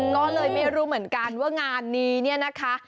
ก็เลยไม่รู้เหมือนกันว่างานนี้เนี่ยนะคะ